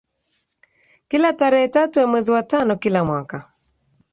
kila tarehe tatu ya mwezi wa tano kila mwaka